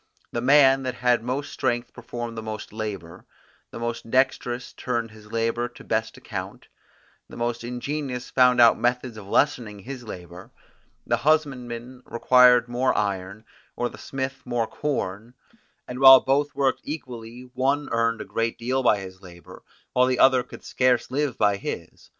The man that had most strength performed most labour; the most dexterous turned his labour to best account; the most ingenious found out methods of lessening his labour; the husbandman required more iron, or the smith more corn, and while both worked equally, one earned a great deal by his labour, while the other could scarce live by his.